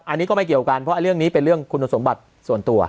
อันนี้ก็ไม่เกี่ยวกันเพราะเรื่องนี้เป็นเรื่องคุณสมบัติส่วนตัว